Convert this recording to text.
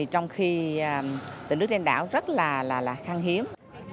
trong khi tình nước trên đảo rất là khang hiếm